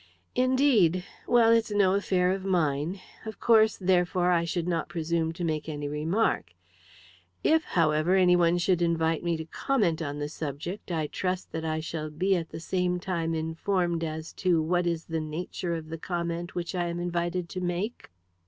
"Indeed! Well, it's no affair of mine. Of course, therefore, I should not presume to make any remark. If, however, any one should invite me to comment on the subject, I trust that I shall be at the same time informed as to what is the nature of the comment which I am invited to make."